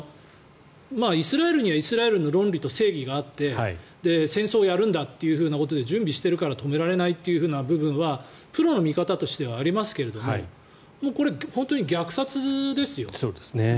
イスラエルにはイスラエルの論理と正義があって戦争をやるんだということで準備しているから止められないという部分はプロの見方としてはありますがこれは本当に虐殺ですよ。